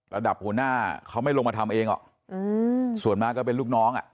ระดับหัวหน้าเขาไม่ลงมาทำเองหรอกส่วนมากก็เป็นลูกน้องอ่ะ